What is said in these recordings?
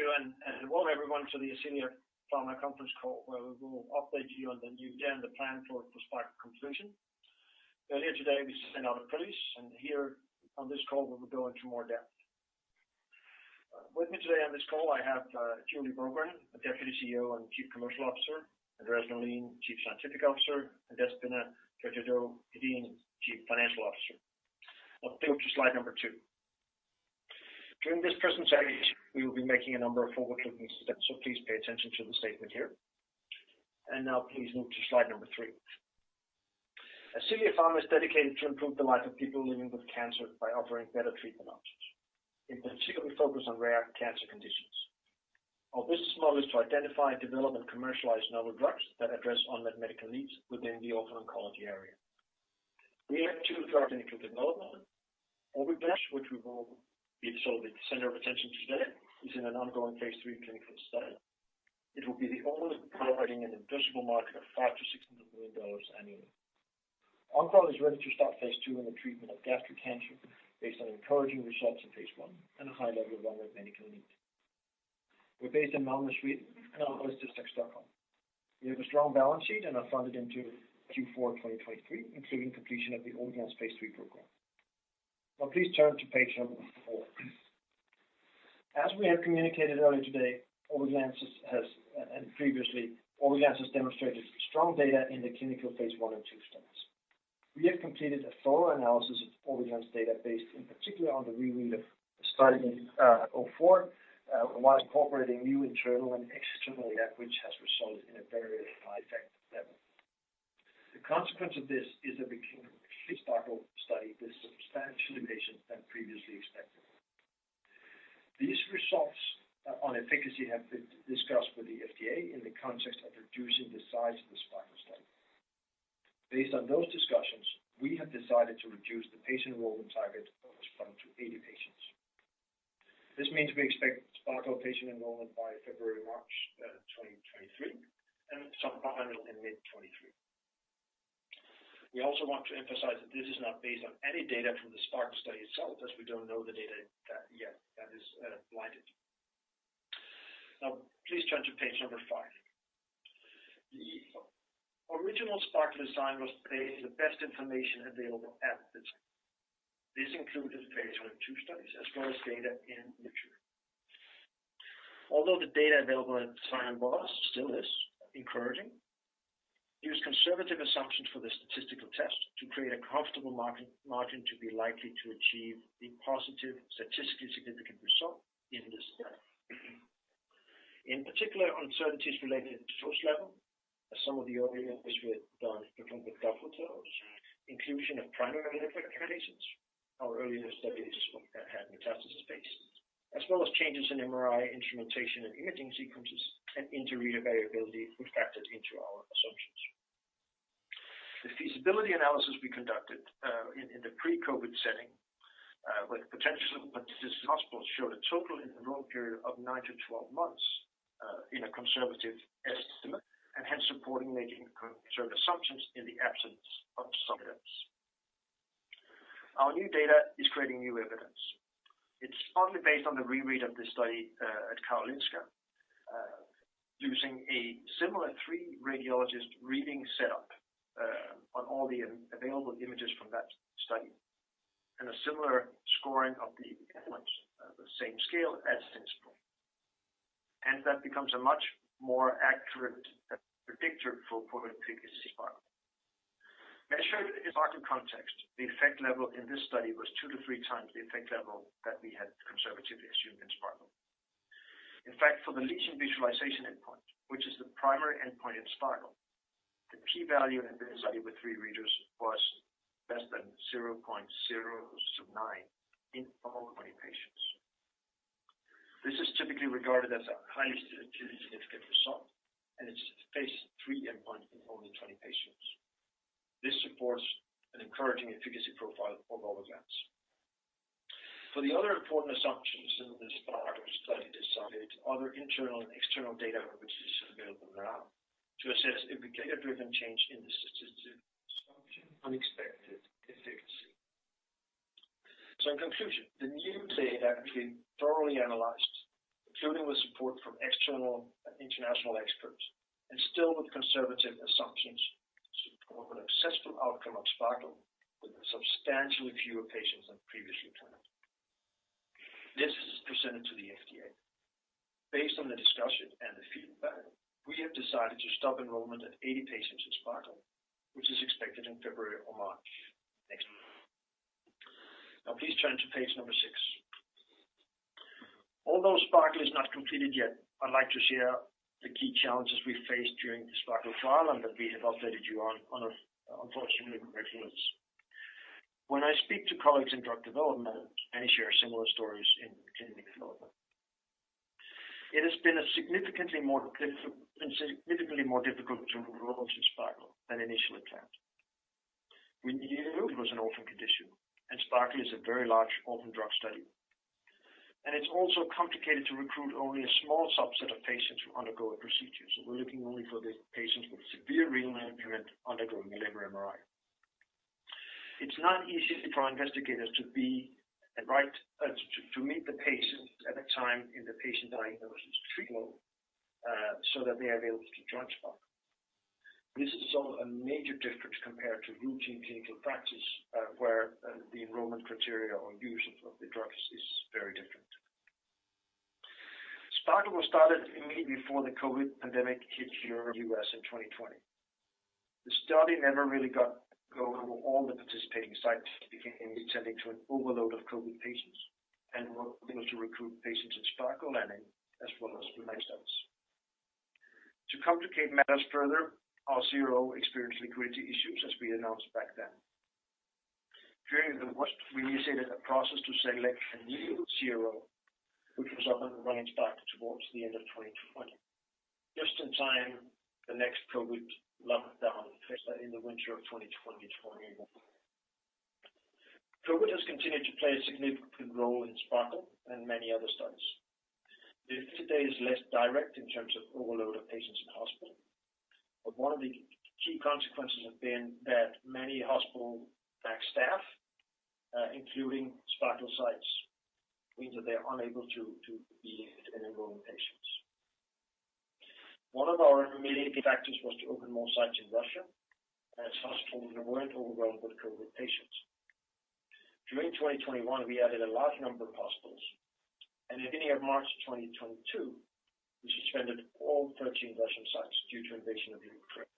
Welcome everyone to the Ascelia Pharma conference call, where we will update you on the new agenda plan for SPARKLE conclusion. Earlier today we sent out a press release, and here on this call, we will go into more depth. With me today on this call, I have Julie Waras Brogren, Deputy CEO and Chief Commercial Officer, Andreas Norlin, Chief Scientific Officer, and Anton Hansson, Chief Financial Officer. Flip to slide number 2. During this presentation, we will be making a number of forward-looking statements, so please pay attention to the statement here. Now please move to slide number 3. Ascelia Pharma is dedicated to improve the life of people living with cancer by offering better treatment options, and particularly focused on rare cancer conditions. Our business model is to identify, develop, and commercialize novel drugs that address unmet medical needs within the orphan oncology area. We have two drugs in clinical development. Orviglance, which we will be the sort of the center of attention today, is in an ongoing Phase III clinical study. It will be the only product in an addressable market of $500–600 million annually. Oncoral is ready to start phase 2 in the treatment of gastric cancer based on encouraging results in phase 1 and a high level of unmet medical need. We're based in Malmö, Sweden, and are listed on Nasdaq. We have a strong balance sheet and are funded into Q4 2023, including completion of the Orviglance phase 3 program. Please turn to page 4. As we have communicated earlier today, Orviglance has... Previously, Orviglance has demonstrated strong data in the clinical phase I and II studies. We have completed a thorough analysis of Orviglance's data based in particular on the reread of Study 4, while incorporating new internal and external data which has resulted in a very high effective level. The consequence of this is that we can start our study with substantially less patients than previously expected. These results on efficacy have been discussed with the FDA in the context of reducing the size of the SPARKLE study. Based on those discussions, we have decided to reduce the patient enrollment target of this from 200 to 80 patients. This means we expect SPARKLE patient enrollment by February or March 2023, and topline results in mid-2023. We also want to emphasize that this is not based on any data from the SPARKLE study itself, as we don't know the data yet. That is blinded. Now please turn to page number 5. The original SPARKLE design was based on the best information available at the time. This included Phase I and II studies, as well as data in literature. Although the data available at the time was, still is encouraging, it was based on conservative assumptions for the statistical test to create a comfortable margin to be likely to achieve a positive statistically significant result in this study. In particular, uncertainties related to dose level, as some of the earlier ones were done with different protocols, inclusion of primary liver cancer patients. Our earlier studies had metastasis patients. As well as changes in MRI instrumentation and imaging sequences, and inter-reader variability were factored into our assumptions. The feasibility analysis we conducted in the pre-COVID setting with potential participating hospitals showed a total enrollment period of 9-12 months in a conservative estimate, and hence supporting making conservative assumptions in the absence of some evidence. Our new data is creating new evidence. It's partly based on the reread of the study at Karolinska using a similar three radiologist reading setup on all the available images from that study, and a similar scoring of the endpoints on the same scale as since point. That becomes a much more accurate predictor for overall efficacy in SPARKLE. Measured in SPARKLE context, the effect level in this study was 2-3 times the effect level that we had conservatively assumed in SPARKLE. In fact, for the lesion visualization endpoint, which is the primary endpoint in SPARKLE, the p-value in this study with three readers was less than 0.009 in all 20 patients. This is typically regarded as a highly statistically significant result. It's a phase III endpoint in only 20 patients. This supports an encouraging efficacy profile of Orviglance. For the other important assumptions in the SPARKLE study design, other internal and external data which is available now to assess if we get a driven change in the statistical assumption, unexpected efficacy. In conclusion, the new data have been thoroughly analyzed, including with support from external and international experts, and still with conservative assumptions support a successful outcome of SPARKLE with substantially fewer patients than previously planned. This is presented to the FDA. Based on the discussion and the feedback, we have decided to stop enrollment at 80 patients in SPARKLE, which is expected in February or March next year. Please turn to page 6. Although SPARKLE is not completed yet, I'd like to share the key challenges we faced during the SPARKLE trial and that we have updated you on, unfortunately with mixed news. When I speak to colleagues in drug development, many share similar stories in development. It has been significantly more difficult to enroll into SPARKLE than initially planned. We knew it was an orphan condition, and SPARKLE is a very large orphan drug study. It's also complicated to recruit only a small subset of patients who undergo a procedure, so we're looking only for the patients with severe renal impairment undergoing a liver MRI. It's not easy for investigators to be... Right, to meet the patient at a time in the patient diagnosis treatment, so that they are available to join SPARKLE. This is all a major difference compared to routine clinical practice, where the enrollment criteria or usage of the drugs is very different. SPARKLE was started immediately before the COVID pandemic hit Europe and U.S. in 2020. The study never really got going where all the participating sites began attending to an overload of COVID patients and were unable to recruit patients in SPARKLE and other clinical studies. To complicate matters further, our CRO experienced liquidity issues as we announced back then. During the worst, we initiated a process to select a new CRO, which was up and running back towards the end of 2020, just in time the next COVID lockdown in the winter of 2021. COVID has continued to play a significant role in SPARKLE and many other studies. This day is less direct in terms of overload of patients in hospital, one of the key consequences have been that many hospital backlogs, including SPARKLE sites, means that they're unable to be enrolling patients. One of our immediate factors was to open more sites in Russia as hospitals weren't overwhelmed with COVID patients. During 2021, we added a large number of hospitals, at the end of March 2022, we suspended all 13 Russian sites due to invasion of Ukraine.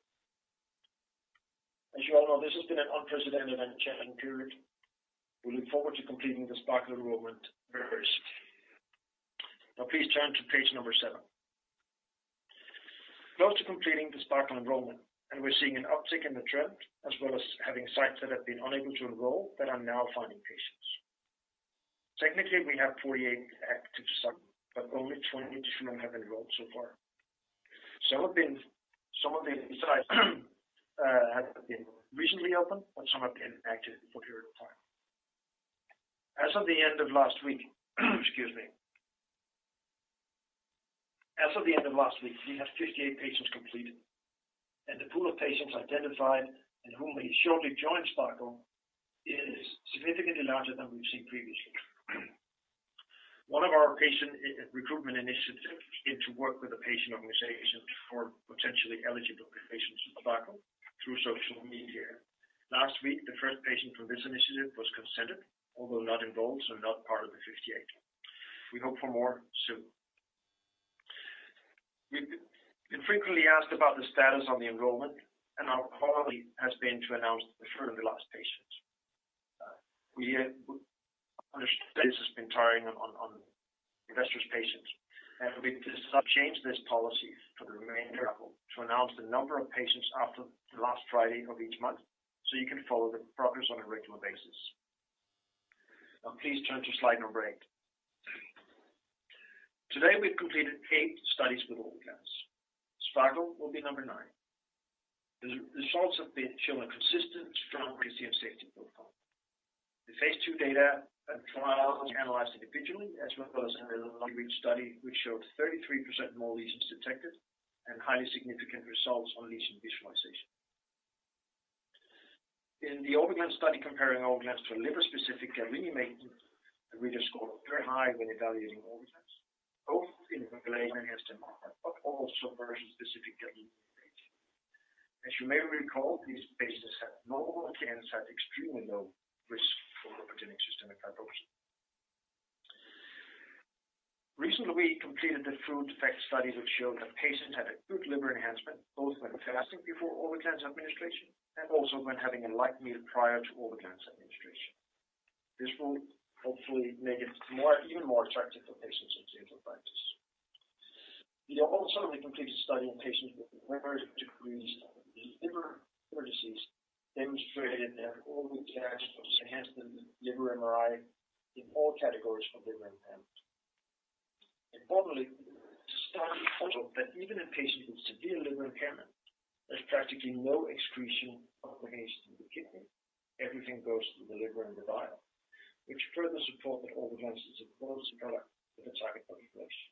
As you all know, this has been an unprecedented and challenging period. We look forward to completing the SPARKLE enrollment very soon. Please turn to page number 7. Close to completing the SPARKLE enrollment. We're seeing an uptick in the trend, as well as having sites that have been unable to enroll but are now finding patients. Technically, we have 48 active sites. Only 23 of them have enrolled so far. Some of the sites have been recently opened. Some have been active for a period of time. Excuse me. As of the end of last week, we have 58 patients completed. The pool of patients identified and whom they shortly joined SPARKLE is significantly larger than we've seen previously. One of our patient recruitment initiatives is to work with the patient organization for potentially eligible patients with glioma through social media. Last week, the first patient for this initiative was consented, although not enrolled. Not part of the 58. We hope for more soon. We've been frequently asked about the status on the enrollment, and our policy has been to announce the last patients. We understand this has been tiring on investors' patience, and we've decided to change this policy for the remainder to announce the number of patients after the last Friday of each month, so you can follow the progress on a regular basis. Now please turn to slide number 8. Today, we've completed 8 studies with Orviglance. SPARKLE will be number 9. The results have been showing consistent, strong safety and profile. The Phase II data and trials analyzed individually, as well as in a study which showed 33% increase in lesions detected and highly significant results on lesion visualization. In the Orviglance study comparing Orviglance to liver-specific Avastin maintenance, and we just scored very high when evaluating Orviglance, both in MRI, but also liver-specific contrast agents. As you may recall, these patients had normal scans at extremely low risk for opportunistic systemic hypoxia. Recently, we completed the food effect studies which showed that patients had a good liver enhancement, both when fasting before Orviglance administration and also when having a light meal prior to Orviglance administration. This will hopefully make it even more attractive for patients in clinical practice. We have also completed a study in patients with various degrees of liver disease, demonstrating that Orviglance was enhanced in liver MRI in all categories of liver impairment. Importantly, the study showed that even in patients with severe liver impairment, there's practically no excretion of the kidney. Everything goes to the liver and the bile, which further support that Orviglance is a product with a target population.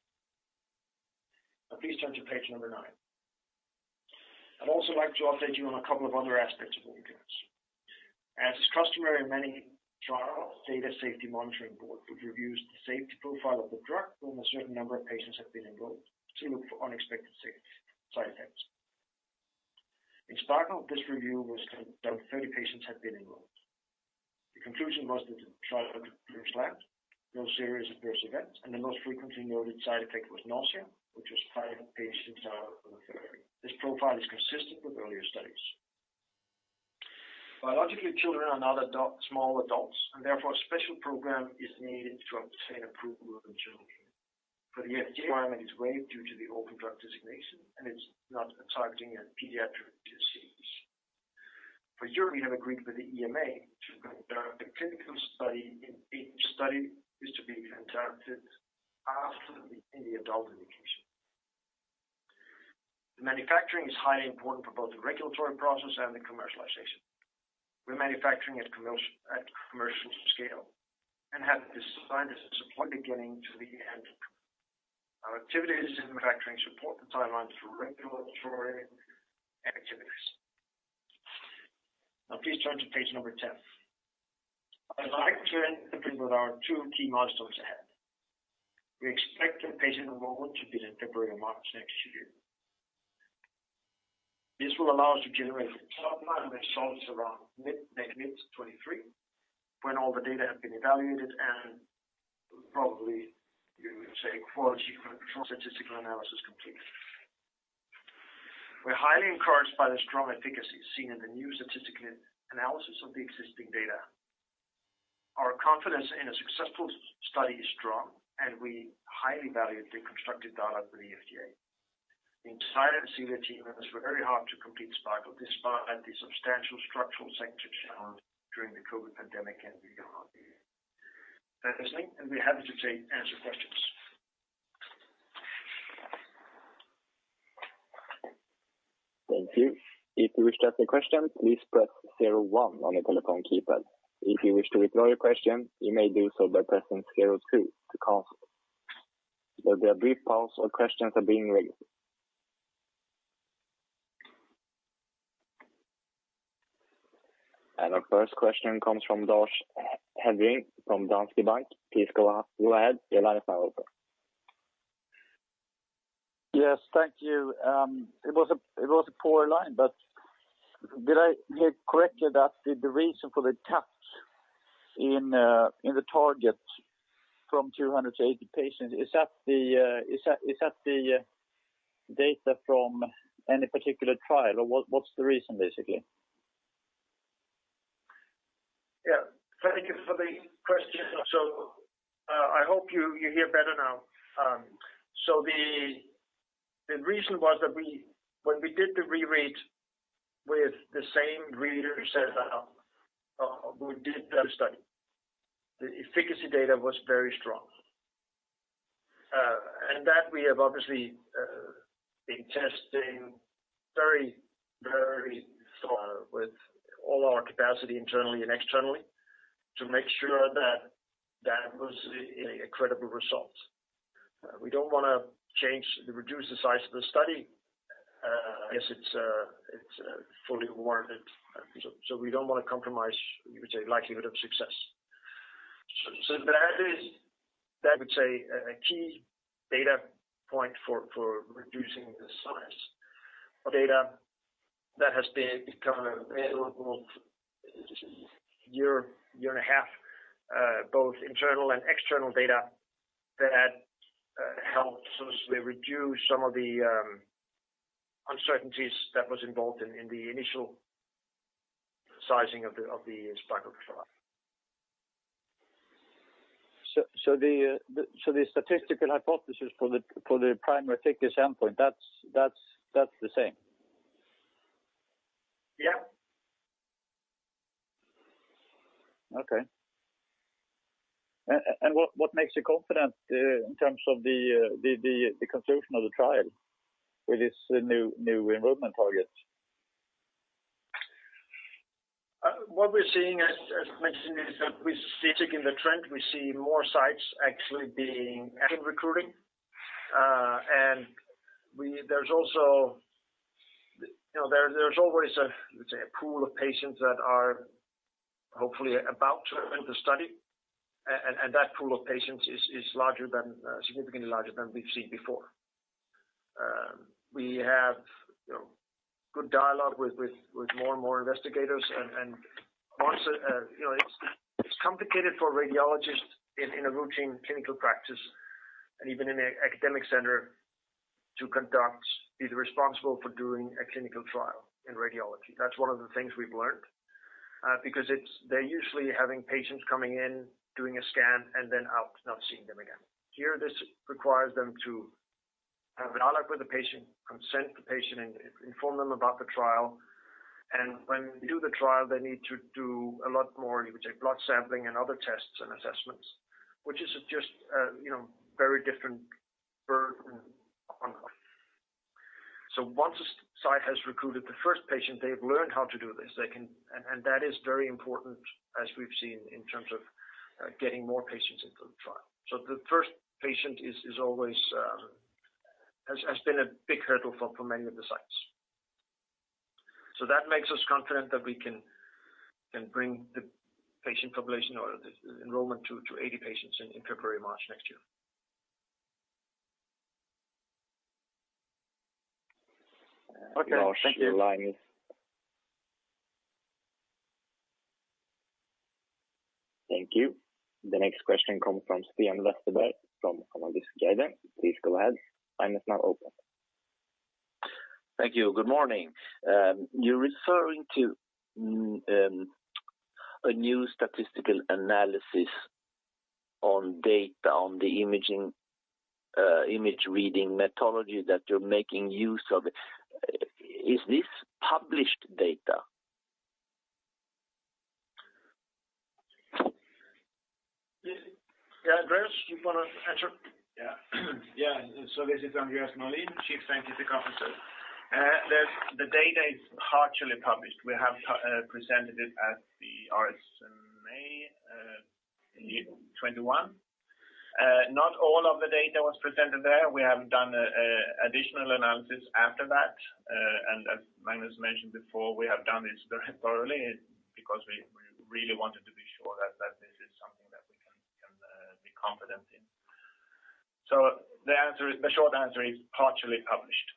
Please turn to page 9. I'd also like to update you on a couple of other aspects of Orviglance. As is customary in many trial Data Safety Monitoring Board, which reviews the safety profile of the drug when a certain number of patients have been enrolled to look for unexpected side effects. In SPARKLE, this review was that 30 patients had been enrolled. The conclusion was that the trial could proceed, no serious adverse events, and the most frequently noted side effect was nausea, which was 5 patients out of the 30. This profile is consistent with earlier studies. Biologically, children are not small adults, therefore a special program is needed to obtain approval in children. For the FDA, it is waived due to the Orphan Drug Designation, and it's not targeting a pediatric disease. For Europe, we have agreed with the EMA to conduct a clinical study in the adult indication. The manufacturing is highly important for both the regulatory process and the commercialization. We're manufacturing and have decided to support the getting to the end. Our activities in manufacturing support the timeline for regulatory activities. Please turn to page number 10. I would like to end with our two key milestones ahead. We expect the patient enrollment to be in February or March next year. This will allow us to generate topline results around mid-2023, when all the data have been evaluated and probably you would say quality statistical analysis completed. We're highly encouraged by the strong efficacy seen in the new statistical analysis of the existing data. Our confidence in a successful study is strong, and we highly value the constructive dialogue with the FDA. The insight and senior team members work very hard to complete SPARKLE, despite the substantial structural sector challenge during the COVID pandemic, and we are Thank you. If you wish to ask a question, please press 01 on your telephone keypad. If you wish to withdraw your question, you may do so by pressing 02 to cancel. There'll be a brief pause while questions are being uncertain. Our first question comes from Thomas Bowers from Danske Bank. Please go ahead. Your line is now open. Yes, thank you. It was a poor line, did I hear correctly that the reason for the cut in the target from 200 to 80 patients, is that the data from any particular trial, or what's the reason, basically? Yeah. Thank you for the question. I hope you hear better now. The reason was that when we did the reread with the same readers as we did the study, the efficacy data was very strong. That we have obviously been testing very, very strong with all our capacity internally and externally to make sure that that was a credible result. We don't wanna change or reduce the size of the study, as it's fully warranted. We don't wanna compromise, you would say, likelihood of success. That is, I would say, a key data point for reducing the size of data that has become available year and a half, both internal and external data that helps us reduce some of the uncertainties that was involved in the initial sizing of the SPARKLE trial. So the statistical hypothesis for the primary thick example, that's the same? Yeah. Okay. What makes you confident, in terms of the conclusion of the trial with this new enrollment target? What we're seeing, as mentioned, is that we see taking the trend, we see more sites actually being and recruiting. There's also, you know, there's always a, let's say, a pool of patients that are hopefully about to end the study. That pool of patients is larger than significantly larger than we've seen before. We have, you know, good dialogue with more and more investigators and also, you know, it's complicated for radiologists in a routine clinical practice and even in a academic center to conduct, be responsible for doing a clinical trial in radiology. That's one of the things we've learned because they're usually having patients coming in, doing a scan and then out, not seeing them again. Here, this requires them to have a dialogue with the patient, consent the patient, and inform them about the trial. When we do the trial, they need to do a lot more, you would say, blood sampling and other tests and assessments, which is just, you know, very different burden on. Once a site has recruited the first patient, they've learned how to do this. That is very important, as we've seen in terms of getting more patients into the trial. The first patient has been a big hurdle for many of the sites. That makes us confident that we can bring the patient population or the enrollment to 80 patients in February, March next year. Okay. Thank you. Your line is. Thank you. The next question comes from Sten Westerberg from. Please go ahead. Line is now open. Thank you. Good morning. You're referring to a new statistical analysis on data on the imaging, image reading methodology that you're making use of. Is this published data? Yeah. Josh, you wanna answer? Yeah. This is Andreas Norlin, Chief Scientific Officer. The data is partially published. We have presented it at the RSNA in May in 2021. Not all of the data was presented there. We have done additional analysis after that. As Magnus mentioned before, we have done this very thoroughly because we really wanted to be sure that this is something that we can be confident in. The short answer is partially published.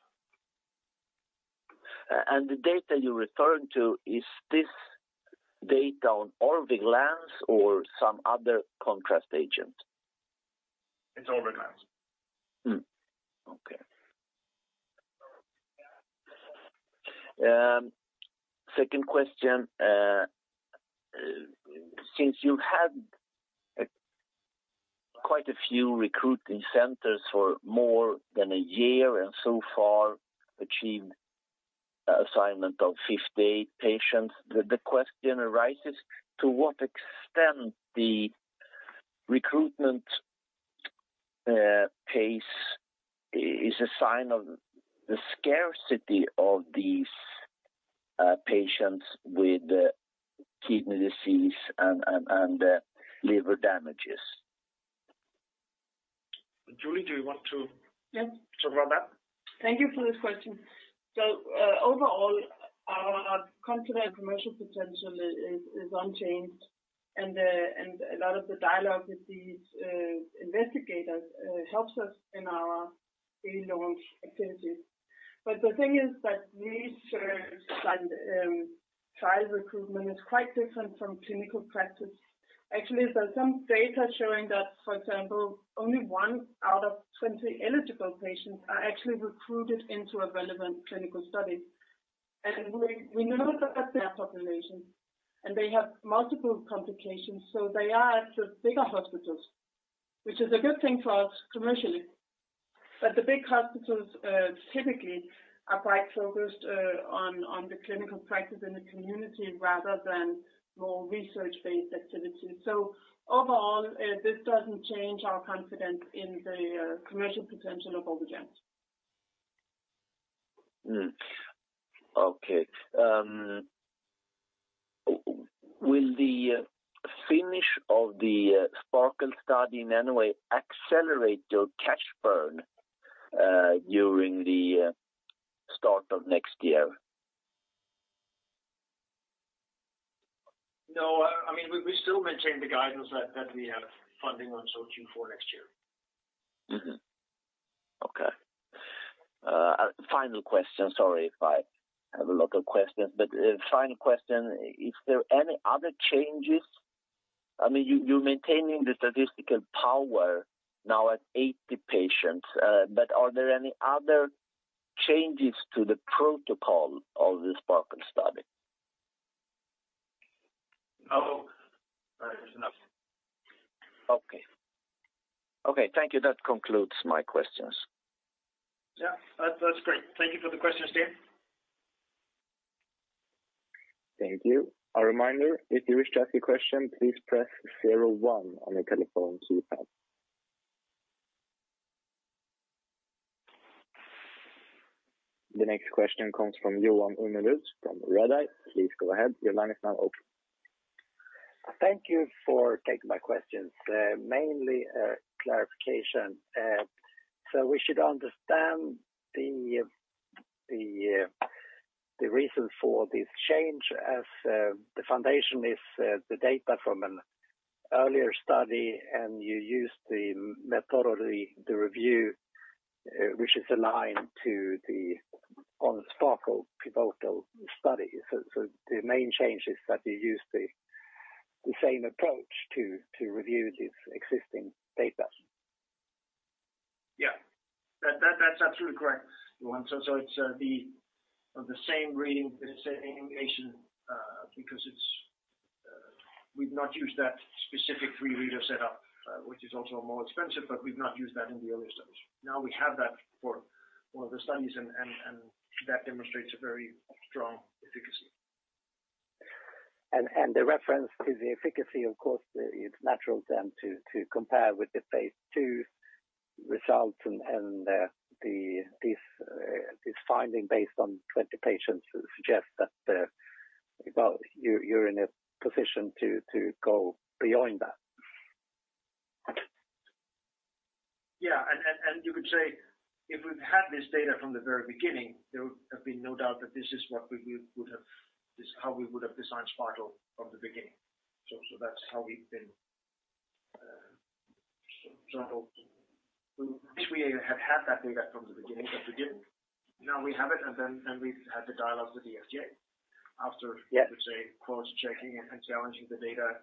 The data you're referring to, is this data on Orviglance or some other contrast agent? It's Orviglance. Okay. Second question. Since you had quite a few recruiting centers for more than 1 year and so far achieved assignment of 58 patients, the question arises, to what extent the recruitment pace is a sign of the scarcity of these patients with kidney disease and liver damages? Julie, do you want to? Yes. talk about that? Thank you for this question. Overall, our confident commercial potential is unchanged, and a lot of the dialogue with these investigators helps us in our pre-launch activities. The thing is that research and trial recruitment is quite different from clinical practice. Actually, there's some data showing that, for example, only 1 out of 20 eligible patients are actually recruited into a relevant clinical study. We know that they are population, and they have multiple complications, so they are at the bigger hospitals, which is a good thing for us commercially. The big hospitals typically are quite focused on the clinical practice in the community rather than more research-based activities. Overall, this doesn't change our confidence in the commercial potential of Orviglance. Okay. Will the finish of the SPARKLE study in any way accelerate your cash burn during the start of next year? No. I mean, we still maintain the guidance that we have funding until Q4 next year. Mm-hmm. Okay. Final question. Sorry if I have a lot of questions, but, final question, is there any other changes? I mean, you're maintaining the statistical power now at 80 patients, but are there any other changes to the protocol of the SPARKLE study? No. There's nothing. Okay. Okay, thank you. That concludes my questions. Yeah, that's great. Thank you for the questions, Sten. Thank you. A reminder, if you wish to ask a question, please press zero one on your telephone keypad. The next question comes from Fredrik Thor from Redeye. Please go ahead. Your line is now open. Thank you for taking my questions. Mainly, clarification. We should understand the reason for this change as the foundation is the data from an earlier study, and you used the methodology, the review, which is aligned to the SPARKLE pivotal study. The main change is that you use the same approach to review this existing data. Yeah. That's absolutely correct, Johan. It's the same reading, the same annotation, because it's we've not used that specific three-reader setup, which is also more expensive, we've not used that in the earlier studies. Now we have that for one of the studies and that demonstrates a very strong efficacy. The reference to the efficacy, of course, it's natural then to compare with the phase II results and this finding based on 20 patients suggests that, well, you're in a position to go beyond that. Yeah. You could say, if we've had this data from the very beginning, there would have been no doubt that this is how we would have designed SPARKLE from the beginning. That's how we've been sampled. Wish we had had that data from the beginning, but we didn't. Now we have it, we've had the dialogue with the FDA after-. Yeah. let's say, cross-checking and challenging the data,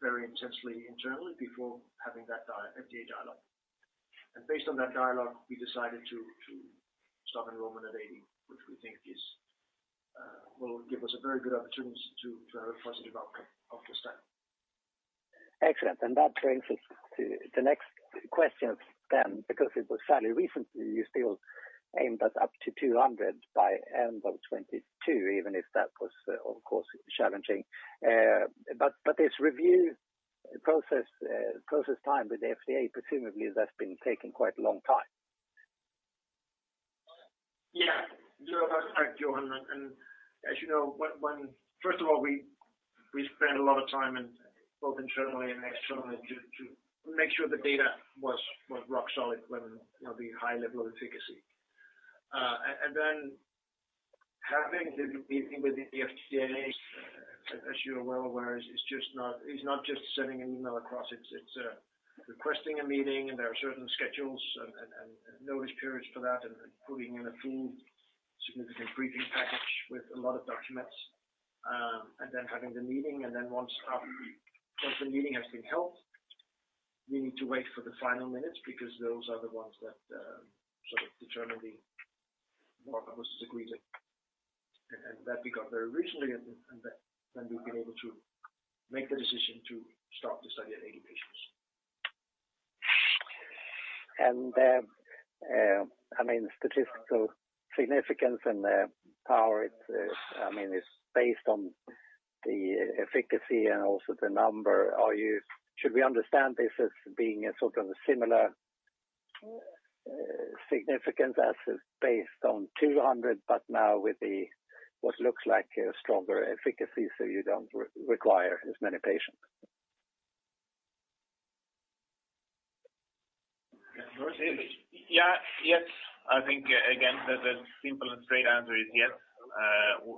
very intensely internally before having that FDA dialogue. Based on that dialogue, we decided to stop enrollment at 80, which we think is, will give us a very good opportunity to have a positive outcome of the study. Excellent. That brings us to the next question then, because it was fairly recently, you still aimed at up to 200 by end of 2022, even if that was, of course, challenging. This review process time with the FDA, presumably that's been taking quite a long time. Yeah. You're right, Johan. As you know, first of all, we spend a lot of time and both internally and externally to make sure the data was rock solid when, you know, the high level of efficacy. Then having the with the FDA, as you are well aware, is not just sending an email across. It's requesting a meeting, and there are certain schedules and notice periods for that, and putting in a full significant briefing package with a lot of documents, then having the meeting. Then once the meeting has been held, we need to wait for the final minutes because those are the ones that sort of determine what was agreed. That we got very recently, and then we've been able to make the decision to start the study at 80 patients. I mean, statistical significance and the power, it, I mean, is based on the efficacy and also the number. Should we understand this as being a sort of similar significance as is based on 200, but now with the, what looks like a stronger efficacy, so you don't require as many patients? Yeah. Yes. I think, again, the simple and straight answer is yes.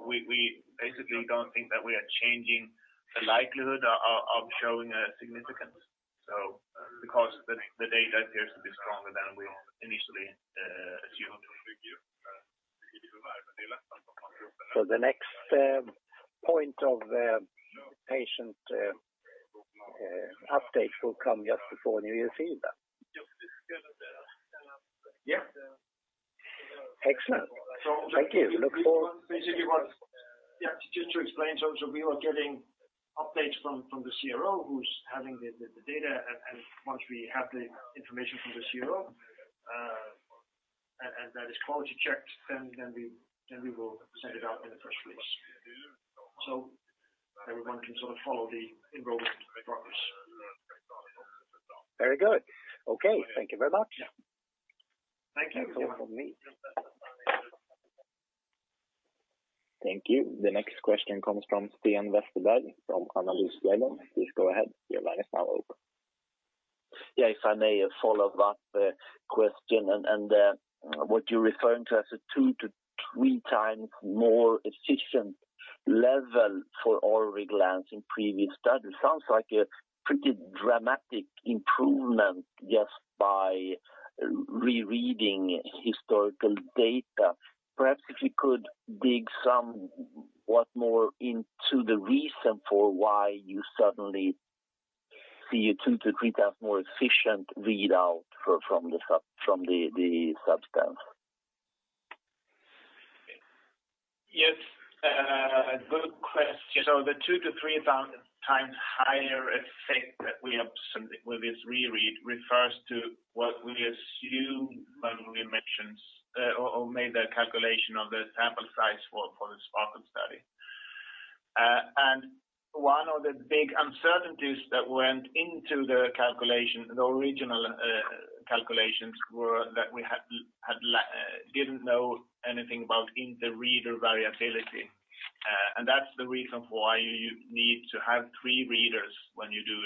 We basically don't think that we are changing the likelihood of showing a significance. Because the data appears to be stronger than we initially assumed. The next point of patient update will come just before NF2 then? Yeah. Excellent. Thank you. Look forward- Yeah. Just to explain. We were getting updates from the CRO who's having the data. Once we have the information from the CRO, and that is quality checked, then we will send it out in the first place. Everyone can sort of follow the enrollment progress. Very good. Okay. Thank you very much. Yeah. Thank you. That's all from me. Thank you. The next question comes from Sten Westerberg from Analysguiden. Please go ahead. Your line is now open. Yeah, if I may follow up the question and what you're referring to as a two to three times more efficient level for Orviglance in previous studies. Sounds like a pretty dramatic improvement just by re-reading historical data. Perhaps if you could dig somewhat more into the reason for why you suddenly see a two to three times more efficient readout from the substance? Yes, good question. The 2,000-3,000 times higher effect that we have seen with this re-read refers to what we assume when we mentioned or made the calculation of the sample size for the SPARKLE study. One of the big uncertainties that went into the calculation, the original calculations, were that we didn't know anything about inter-reader variability. That's the reason why you need to have three readers when you do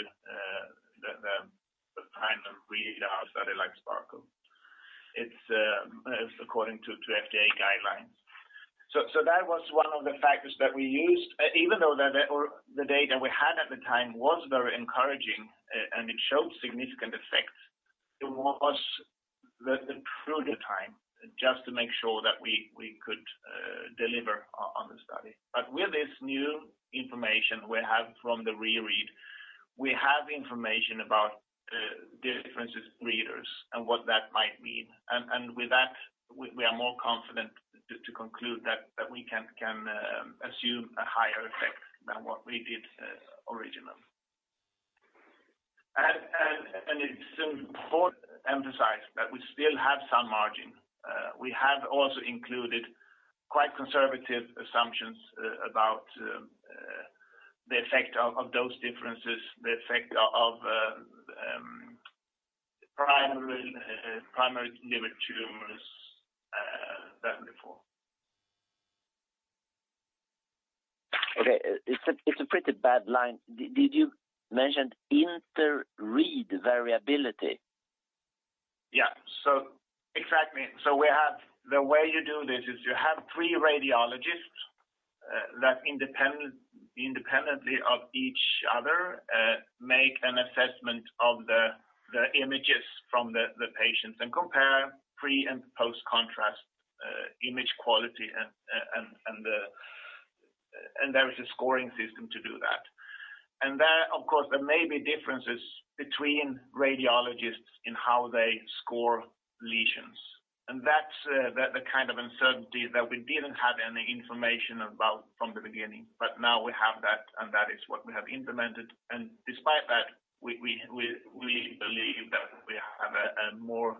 the kind of readout study like SPARKLE. It's according to FDA guidelines. That was one of the factors that we used. Even though the data we had at the time was very encouraging and it showed significant effects, it was the prudent time just to make sure that we could deliver on the study. With this new information we have from the re-read, we have information about differences readers and what that might mean. With that, we are more confident to conclude that we can assume a higher effect than what we did originally. It's important to emphasize that we still have some margin. We have also included quite conservative assumptions about the effect of those differences, the effect of primary liver tumors than before. Okay. It's a pretty bad line. Did you mention inter-reader variability? Exactly. So we have. The way you do this is you have three radiologists that independently of each other make an assessment of the images from the patients and compare pre and post-contrast image quality and the. And there is a scoring system to do that. And there, of course, there may be differences between radiologists in how they score lesions. And that's the kind of uncertainty that we didn't have any information about from the beginning. But now we have that, and that is what we have implemented. And despite that, we believe that we have a more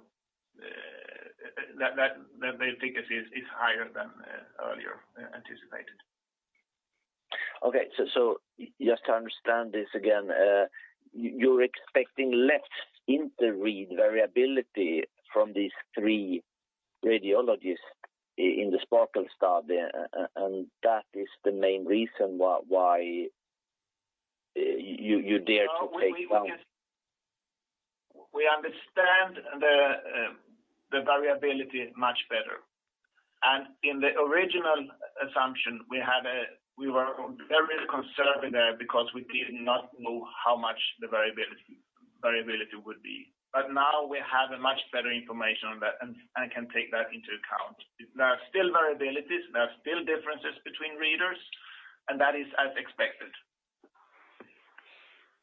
that the efficacy is higher than earlier anticipated. Okay. Just to understand this again, you're expecting less inter-reader variability from these three radiologists in the SPARKLE study, and that is the main reason why you dare to take one... We understand the variability much better. In the original assumption, we were very conservative because we did not know how much the variability would be. Now we have a much better information on that and can take that into account. There are still variabilities, there are still differences between readers, and that is as expected.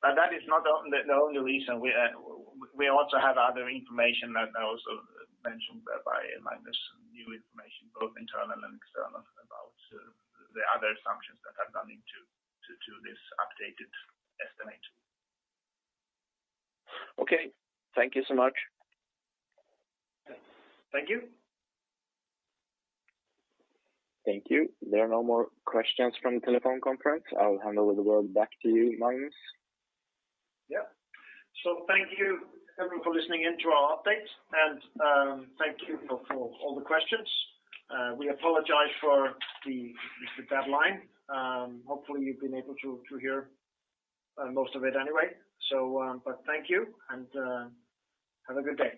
That is not the only reason. We also have other information that I also mentioned, by Magnus, new information, both internal and external, about, the other assumptions that are done into this updated estimate. Okay. Thank you so much. Thank you. Thank you. There are no more questions from the telephone conference. I'll hand over the word back to you, Magnus. Yeah. Thank you everyone for listening in to our update. Thank you for all the questions. We apologize for the bad line. Hopefully, you've been able to hear most of it anyway. Thank you, and have a good day.